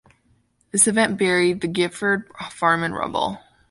This event buried the Gifford farm in rubble.